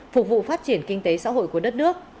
phục vụ phát triển kinh tế xã hội của đất nước